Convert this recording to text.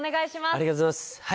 ありがとうございます。